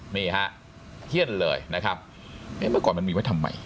นี่ฮะเฮียนเลยนะครับเอ๊ะเมื่อก่อนมันมีไว้ทำไม